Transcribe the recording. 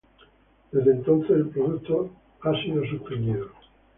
Desde entonces, el producto ha sido suspendido.